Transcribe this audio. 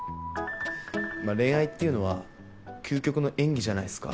まあ恋愛っていうのは究極の演技じゃないっすか。